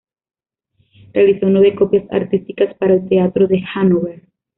Realizó nueve copias artísticas para el teatro de Hannover.